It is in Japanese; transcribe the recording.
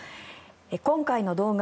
今回の動画